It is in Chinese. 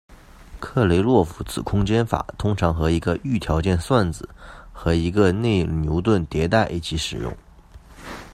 克雷洛夫子空间法通常和一个预条件算子和一个内牛顿迭代一起使用。